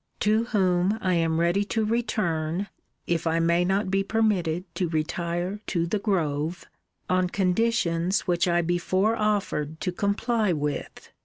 To whom I am ready to return (if I may not be permitted to retire to The Grove) on conditions which I before offered to comply with.